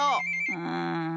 うん。